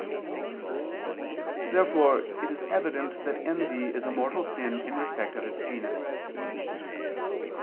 Therefore it is evident that envy is a mortal sin in respect of its genus.